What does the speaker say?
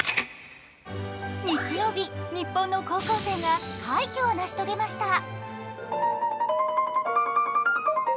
日曜日、日本の高校生が快挙を成し遂げました。